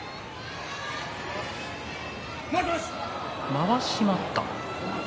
まわし待った。